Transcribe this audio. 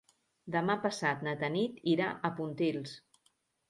Demà passat na Tanit irà a Pontils.